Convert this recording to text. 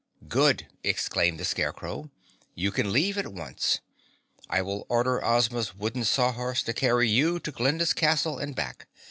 "Good!" exclaimed the Scarecrow. "You can leave at once. I will order Ozma's wooden Sawhorse to carry you to Glinda's Castle and back.